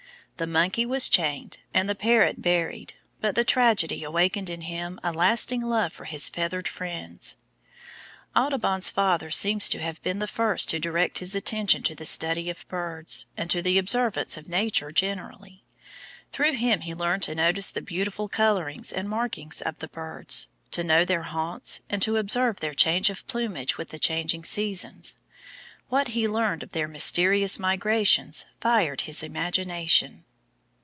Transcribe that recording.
The monkey was chained, and the parrot buried, but the tragedy awakened in him a lasting love for his feathered friends. Audubon's father seems to have been the first to direct his attention to the study of birds, and to the observance of Nature generally. Through him he learned to notice the beautiful colourings and markings of the birds, to know their haunts, and to observe their change of plumage with the changing seasons; what he learned of their mysterious migrations fired his imagination.